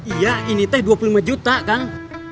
iya ini teh dua puluh lima juta kang